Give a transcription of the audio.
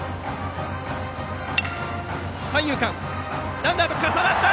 ランナー、重なった！